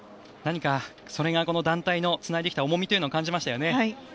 何かそれがこの団体のつないできた重みというのを感じましたよね。